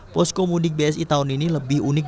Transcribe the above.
posko mudik bsi tahun ini lebih unik dan lebih berharga